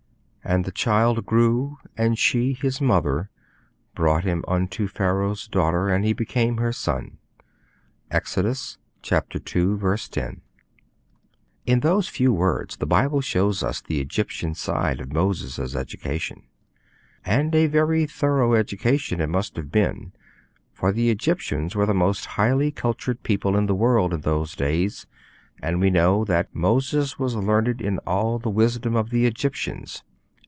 'And the child grew and she (his mother) brought him unto Pharaoh's daughter, and he became her son.' (Exodus ii. 10.) In those few words the Bible shows us the Egyptian side of Moses' education. And a very thorough education it must have been, for the Egyptians were the most highly cultured people in the world in those days, and we know that '_Moses was learned in all the wisdom of the Egyptians.